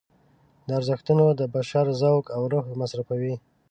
دا ارزښتونه د بشر ذوق او روح مصرفوي.